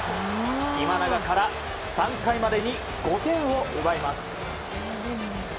今永から３回までに５点を奪います。